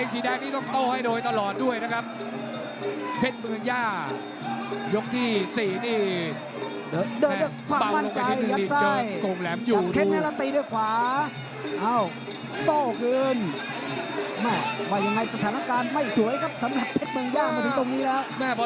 สำหรับเพชรเมืองย่าที่ตรงนี้ครับ